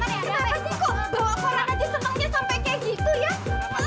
kenapa sih kok bawa koran aja semangnya sampe kayak gitu ya